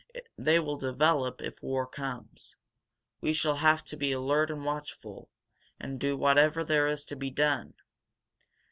They will develop, if war comes. We shall have to be alert and watchful, and do whatever there is to be done